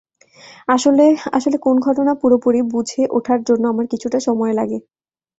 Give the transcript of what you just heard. আসলে, আসলে কোন ঘটনা পুরোপুরি বুঝে উঠার জন্য আমার কিছুটা সময় লাগে।